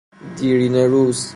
دیرینه روز